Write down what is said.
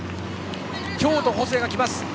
京都、細谷が来ます。